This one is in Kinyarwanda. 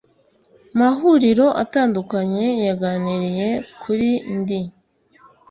Mahuriro atandukanye yaganiriye kuri ndi